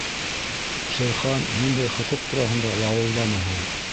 — Шер Хан ниндәй хоҡуҡ тураһында лауылданы һуң?